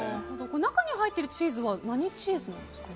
中に入っているチーズは何チーズなんですか？